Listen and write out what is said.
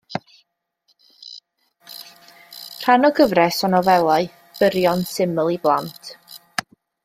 Rhan o gyfres o nofelau byrion, syml i blant.